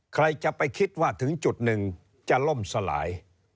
ใครจะไปคิดว่าถึงจุดหนึ่งจะล่มสลาย